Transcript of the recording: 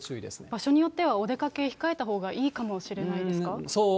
場所によってはお出かけ控えたほうがいいかもしれないですか？